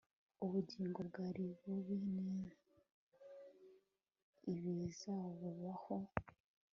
Ubugingo bwari bubizi neza ibizabubabaho